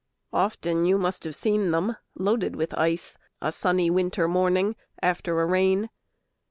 Often you must have seen them Loaded with ice a sunny winter morning After a rain.